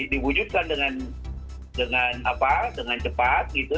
diwujudkan dengan cepat gitu